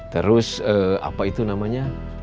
terus apa itu namanya